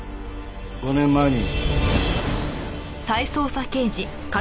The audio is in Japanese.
５年前に。